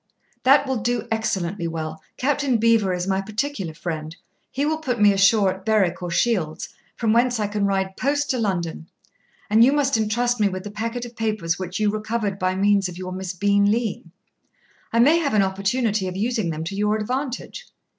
'That will do excellently well. Captain Beaver is my particular friend; he will put me ashore at Berwick or Shields, from whence I can ride post to London; and you must entrust me with the packet of papers which you recovered by means of your Miss Bean Lean. I may have an opportunity of using them to your advantage.